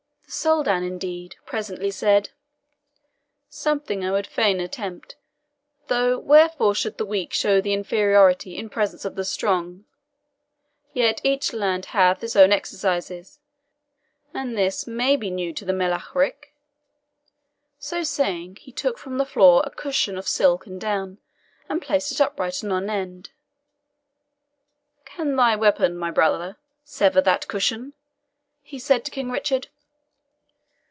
The Soldan, indeed, presently said, "Something I would fain attempt though wherefore should the weak show their inferiority in presence of the strong? Yet each land hath its own exercises, and this may be new to the Melech Ric." So saying, he took from the floor a cushion of silk and down, and placed it upright on one end. "Can thy weapon, my brother, sever that cushion?" he said to King Richard.